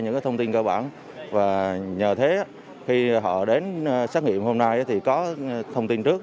những thông tin cơ bản và nhờ thế khi họ đến xét nghiệm hôm nay thì có thông tin trước